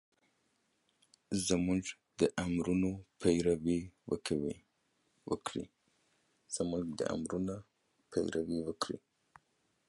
زمونږ د امرونو پېروي وکړه